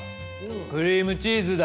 クリームチーズだ。